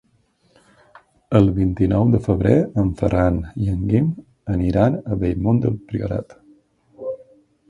El vint-i-nou de febrer en Ferran i en Guim aniran a Bellmunt del Priorat.